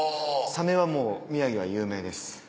サメはもう宮城は有名です。